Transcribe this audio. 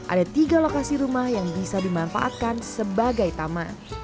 ada tiga lokasi rumah yang bisa dimanfaatkan sebagai taman